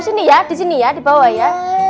sini ya di sini ya di bawah ya